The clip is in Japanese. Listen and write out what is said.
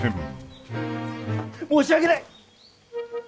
申し訳ない！